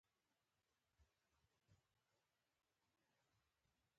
ښه شربت اوبه څوکۍ، نورګل لرلې